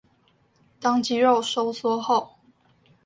當肌肉收縮後